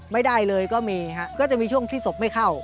ไม่ได้เลยก็มีฮะก็จะมีช่วงที่ศพไม่เข้า